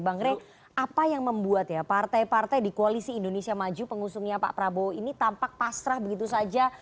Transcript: bang rey apa yang membuat ya partai partai di koalisi indonesia maju pengusungnya pak prabowo ini tampak pasrah begitu saja